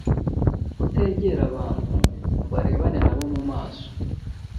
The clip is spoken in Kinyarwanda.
kutegera abantu ngo arebane na bo mu maso